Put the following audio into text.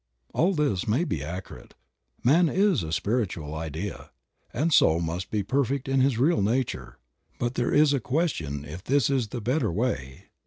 All this may be accurate ; man is a spiritual idea, and so must be perfect in his real nature; but there is a question if this is the better way.